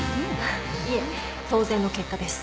いえ当然の結果です。